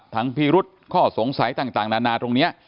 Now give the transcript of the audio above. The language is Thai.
พิรุษข้อสงสัยต่างนานาตรงนี้